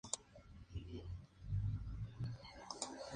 Hoy en día otro arrecife coralino cierra una laguna alrededor de la isla.